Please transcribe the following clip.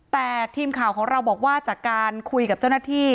แต่ทีมข่าวของเราบอกว่าจากการคุยกับเจ้าหน้าที่